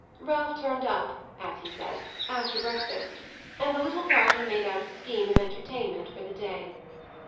Ralph turned up, as he said, after breakfast, and the little party made out a scheme of entertainment for the day.